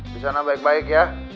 di sana baik baik ya